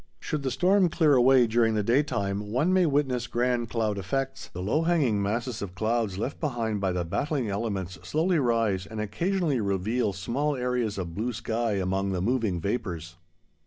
Should the storm clear away during the daytime one may witness grand cloud effects. The low hanging masses of clouds left behind by the battling elements slowly rise and occasionally reveal small areas of blue sky among the moving vapors.